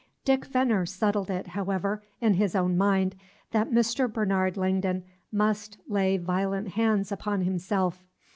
Dick Veneer settled it, however, in his own mind, that Mr. Bernard Langdon must lay violent hands upon himself.